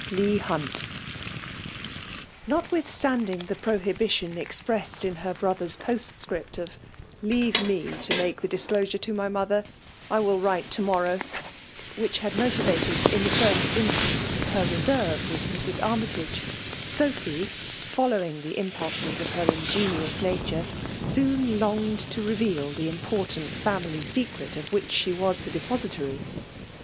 ' Lbior Hin«T. Notwithstanding the prohibition expressed in her brother s postscript — of " Leave me to make the disclosure to my mother; I will write to morrow," which had motived, in the first instance, her reserve with Mrs. Armytage, Sophy, following the impulses of her ingenuous nature, soon longed to reveal the important family secret of which she was the depository.